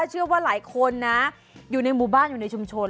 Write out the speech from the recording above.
เชื่อว่าหลายคนนะอยู่ในหมู่บ้านอยู่ในชุมชน